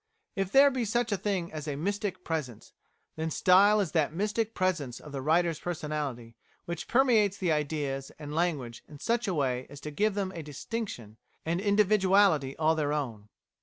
If there be such a thing as a mystic presence, then style is that mystic presence of the writer's personality which permeates the ideas and language in such a way as to give them a distinction and individuality all their own.